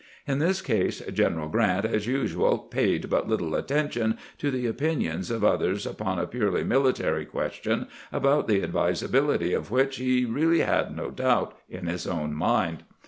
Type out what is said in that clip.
In this case General Grant, as usual, paid but httle attention to the opinions of others upon a purely military question about the advisability of which he really had no doubt in his own mind.